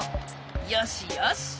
よしよし。